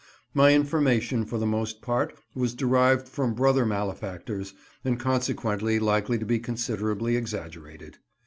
My information for the most part was derived from brother malefactors, and consequently likely to be considerably exaggerated.